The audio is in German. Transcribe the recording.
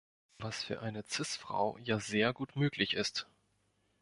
Was für eine Cis-Frau ja sehr gut möglich ist.